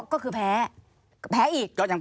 ก็คือแพ้แพ้อีก